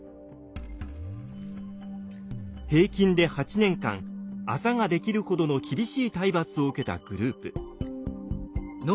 平均で８年間あざができるほどの厳しい体罰を受けたグループ。